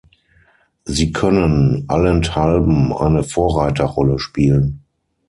Sie können allenthalben eine Vorreiterrolle spielen.